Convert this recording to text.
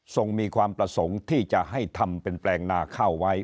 มีความประสงค์ที่จะให้ทำเป็นแปลงนาข้าวไว้